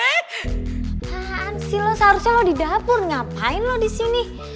apaan sih lo seharusnya lo di dapur ngapain lo disini